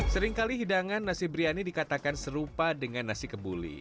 seringkali hidangan nasi biryani dikatakan serupa dengan nasi kebuli